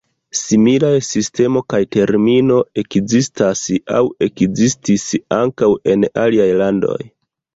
Similaj sistemo kaj termino ekzistas aŭ ekzistis ankaŭ en aliaj landoj.